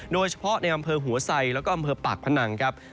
โดยเฉพาะในอำเภอหัวไซแล้วก็อำเภอปากพนังครับ